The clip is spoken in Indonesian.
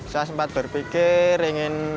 saya sempat berpikir ingin